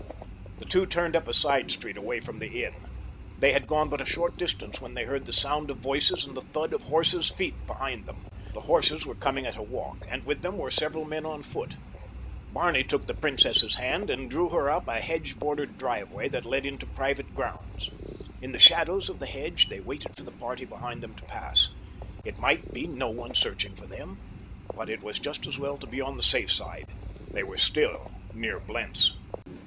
The two turned up a side street away from the inn. They had gone but a short distance when they heard the sound of voices and the thud of horses' feet behind them. The horses were coming at a walk and with them were several men on foot. Barney took the princess' hand and drew her up a hedge bordered driveway that led into private grounds. In the shadows of the hedge they waited for the party behind them to pass. It might be no one searching for them, but it was just as well to be on the safe side—they were still near Blentz.